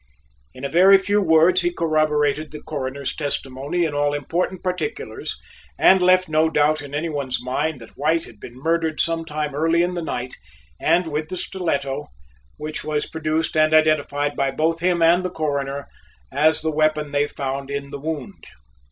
In a very few words he corroborated the Coroner's testimony in all important particulars and left no doubt in any one's mind that White had been murdered some time early in the night and with the stiletto, which was produced and identified by both him and the Coroner as the weapon they found in the wound.